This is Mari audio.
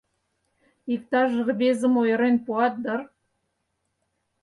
Иктаж рвезым ойырен пуат, дыр.